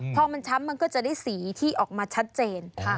พอมันช้ำมันก็จะได้สีที่ออกมาชัดเจน